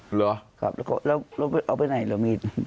เหรอครับแล้วเอาไปไหนเหรอมีด